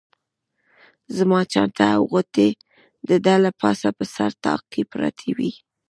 زما چانټه او غوټې د ده له پاسه په سر طاق کې پرتې وې.